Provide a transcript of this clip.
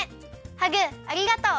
ハグありがとう！